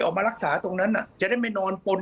ออกมารักษาตรงนั้นจะได้ไม่นอนปน